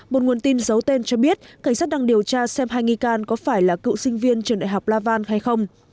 một nguồn tin giấu tên cho biết cảnh sát đang điều tra xem hai nghi can có phải là cựu sinh viên trường đại học lavan hay không